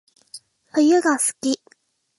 冬が好き